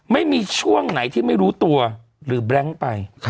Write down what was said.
ไม่มีช่วงไหนที่ไม่รู้ตัวหรือแบล็งไป